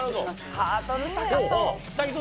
ハードル高そう。